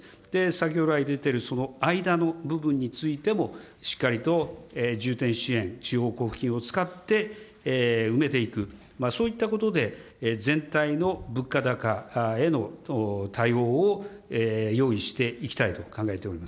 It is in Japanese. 先ほど来出ているその間の部分についても、しっかりと重点支援、地方交付金を使って埋めていく、そういったことで全体の物価高への対応を用意していきたいと考え